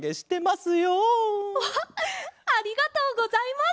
わあありがとうございます。